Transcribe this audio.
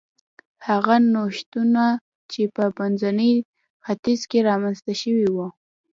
هغه نوښتونه چې په منځني ختیځ کې رامنځته شوي و